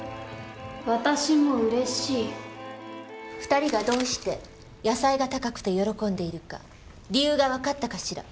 ２人がどうして野菜が高くて喜んでいるか理由が分かったかしら？